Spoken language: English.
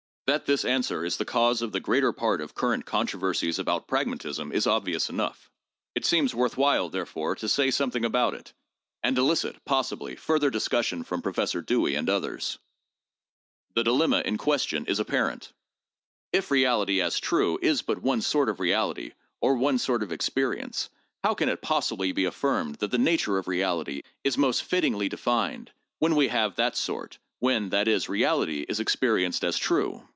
That this answer is the cause of the greater part of current controversies about pragmatism is obvious enough. It seems worth 1< The Postulate of Immediate Empiricism,' Vol. II., No. 15, p. 393. 574 THE JOURNAL OF PHILOSOPHY while, therefore, to say something about it, and elicit, possibly, fur ther discussion from Professor Dewey and others. The dilemma in question is apparent. If reality as true is but one sort of reality or one sort of experience, how can it possibly be affirmed that the nature of reality is most fittingly defined, when we have that sort, when, that is, reality is experienced as true?